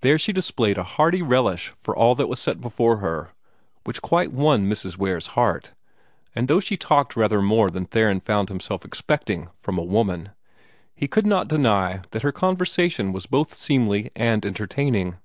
There she displayed a hearty relish for all that was set before her which quite won Mrs. Ware's heart, and though she talked rather more than Theron found himself expecting from a woman, he could not deny that her conversation was both seemly and entertaining.